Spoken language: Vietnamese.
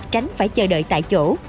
tránh phải chờ đợi tại chỗ